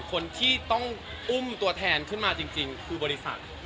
คนที่ต้องอุ้มตัวแทนขึ้นมาจริงคือบริษัท